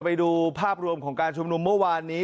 ไปดูภาพรวมของการชุมนุมเมื่อวานนี้